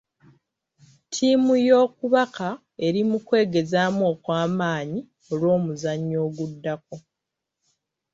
Ttiimu y'okubaka eri mu kwegezaamu okw'amaanyi olw'omuzannyo oguddako.